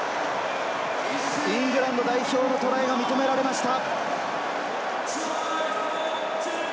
イングランド代表のトライが認められました。